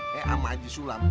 sama haji sulam